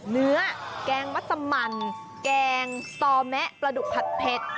เนื้อแกงวัสมันแกงต่อแมะประดุผัดเผ็ด